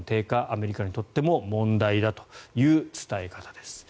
アメリカにとっても問題だという伝え方です。